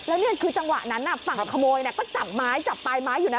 แล้วนี่คือจังหวะนั้นฝั่งขโมยก็จับไม้จับปลายไม้อยู่นะ